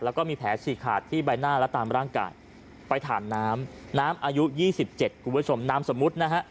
แล้วก็มีแผลฉีกขาดที่ใบหน้าและตามร่างกายไปถามน้ำน้ำอายุ๒๗คุณผู้ชมนามสมมุตินะฮะ